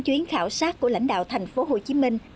chuyến khảo sát của lãnh đạo thành phố hồ chí minh